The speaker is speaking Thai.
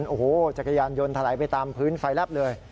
โอ้โหจักรยานยนต์ถลายไปตามพื้นไฟแลบเลย